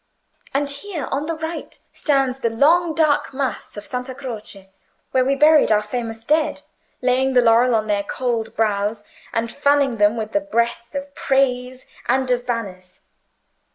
And here, on the right, stands the long dark mass of Santa Croce, where we buried our famous dead, laying the laurel on their cold brows and fanning them with the breath of praise and of banners.